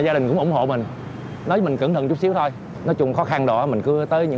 gia đình cũng ủng hộ mình lấy mình cẩn thận chút xíu thôi nói chung khó khăn đó mình cứ tới những